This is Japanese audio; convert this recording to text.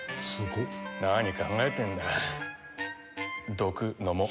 何考えてんだ。